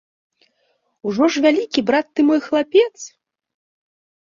Ужо ж вялікі, брат ты мой, хлапец!